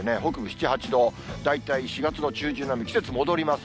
７、８度、大体４月の中旬並み、季節戻ります。